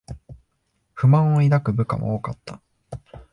不満を抱く部下も多かった